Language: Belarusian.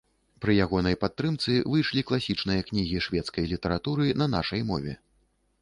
Пры ягонай падтрымцы выйшлі класічныя кнігі шведскай літаратуры на нашай мове.